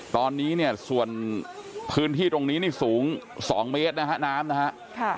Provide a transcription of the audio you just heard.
ตอนนี้เนี่ยส่วนพื้นที่ตรงนี้นี่สูง๒เมตรนะฮะน้ำนะฮะ